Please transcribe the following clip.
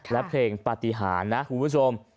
และเพลงปฏิหารนะคุณผู้ชม